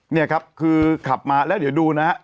นี่ครับคือขับมาแล้วเดี๋ยวดูนะฮะ